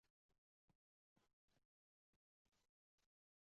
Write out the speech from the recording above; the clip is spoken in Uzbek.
dengizga qaradi.